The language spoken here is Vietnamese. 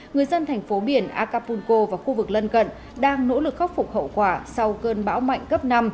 người dân thành phố biển acapulco và khu vực lân cận đang nỗ lực khắc phục hậu quả sau cơn bão mạnh cấp năm